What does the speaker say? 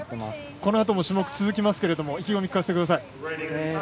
このあとも種目続きますが意気込みを聞かせてください。